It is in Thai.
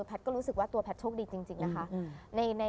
ก็รู้สึกว่าตัวแพทย์โชคดีจริงนะคะ